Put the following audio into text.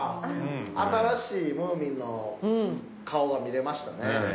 新しいムーミンの顔が見れましたね。